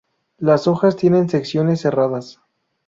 Las hojas tienen secciones serradas.